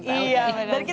iya benar sekali